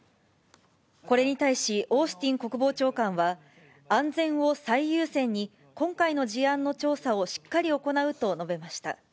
これに対し、オースティン国防長官は、安全を最優先に今回の事案の調査をしっかり行うと述べました。